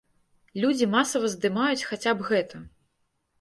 Людзі масава здымаюць хаця б гэта.